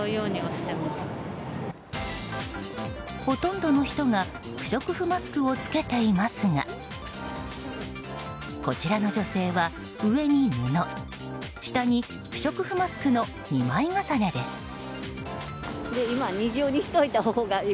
ほとんどの人が不織布マスクを着けていますがこちらの女性は上に布下に不織布マスクの２枚重ねです。